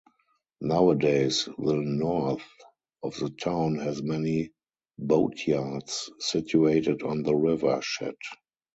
Nowadays the north of the town has many boatyards situated on the River Chet.